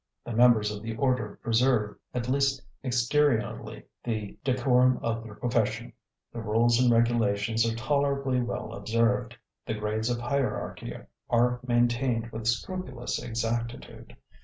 'The members of the order preserve, at least exteriorly, the decorum of their profession. The rules and regulations are tolerably well observed; the grades of hierarchy are maintained with scrupulous exactitude.